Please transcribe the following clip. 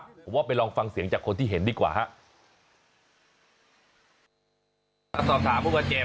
ผมว่าไปลองฟังเสียงจากคนที่เห็นดีกว่าครับ